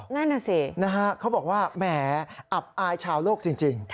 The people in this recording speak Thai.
นั่นน่ะสินะฮะเขาบอกว่าแหมอับอายชาวโลกจริง